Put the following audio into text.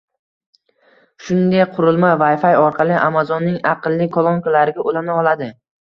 Shuningdek, qurilma Wi-Fi orqali Amazon’ning “aqlli” kolonkalariga ulana oladi